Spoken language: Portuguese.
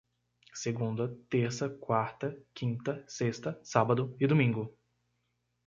Segunda, terça, quarta, quinta, sexta, sábado e domingo